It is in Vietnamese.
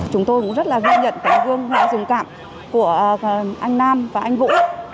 chúng tôi cũng rất là ghi nhận cái gương hoại dùng cảm của anh nam và anh vũ